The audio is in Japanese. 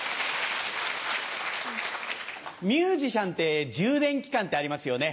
ミュージシャンって充電期間ってありますよね。